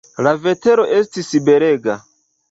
La vetero estis belega.